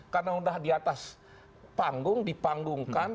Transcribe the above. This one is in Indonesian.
karena sudah di atas panggung dipanggungkan